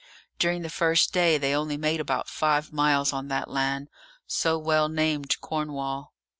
During the first day they only made about five miles on that land, so well named Cornwall.